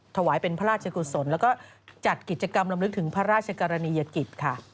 ถวายเป็นพระราชกุศลแล้วก็จัดกิจกรรมลำลึกถึงพระราชกรณียกิจค่ะ